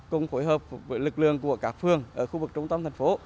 cùng hội hợp lực lượng của các phương ở khu vực trung tâm thành phố